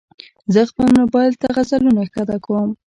زه خپل موبایل ته غزلونه ښکته کوم.